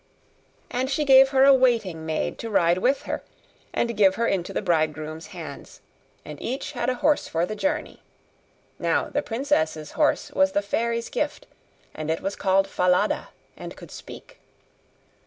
And she gave her a waiting maid to ride with her, and give her into the bridegroom's hands; and each had a horse for the journey. Now the princess's horse was the fairy's gift, and it was called Falada, and could speak.